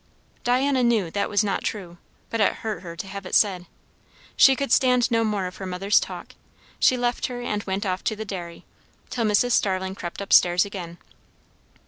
Diana knew that was not true; but it hurt her to have it said. She could stand no more of her mother's talk; she left her and went off to the dairy, till Mrs. Starling crept up stairs again.